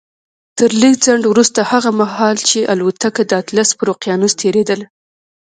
تر لږ ځنډ وروسته هغه مهال چې الوتکه د اطلس پر اقيانوس تېرېدله.